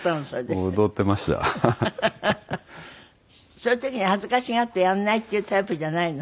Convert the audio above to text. そういう時に恥ずかしがってやらないっていうタイプじゃないの？